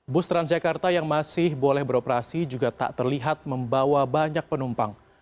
bus transjakarta yang masih boleh beroperasi juga tak terlihat membawa banyak penumpang